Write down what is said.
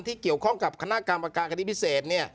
ที่เกี่ยวข้องกับคณะการประการคณิตพิเศษ